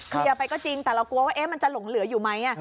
ไปก็จริงแต่เรากลัวว่ามันจะหลงเหลืออยู่ไหม